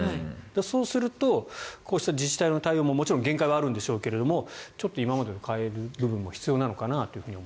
そうするとそうした自治体の対応も限界はあるでしょうがちょっと今までと変える部分も必要なのかなと。